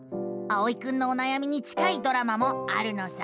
あおいくんのおなやみに近いドラマもあるのさ。